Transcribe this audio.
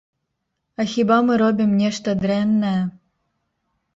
А хіба мы робім нешта дрэннае?